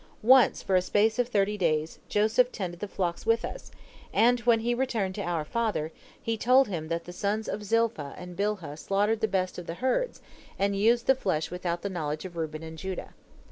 Once, for a space of thirty days, Joseph tended the flocks with us, and when he returned to our father, he told him that the sons of Zilpah and Bilhah slaughtered the best of the herds, and used the flesh without the knowledge of Reuben and Judah.